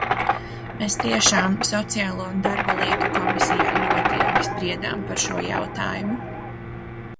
Mēs tiešām Sociālo un darba lietu komisijā ļoti ilgi spriedām par šo jautājumu.